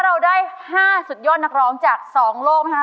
เราได้๕สุดยอดนักร้องจาก๒โลกนะคะ